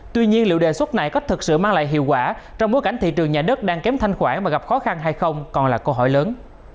tuy nhiên liệu đề xuất này có thực sự mang lại hiệu quả trong bối cảnh thị trường nhà đất đang kém thanh khoản và gặp khó khăn hay không còn là câu hỏi lớn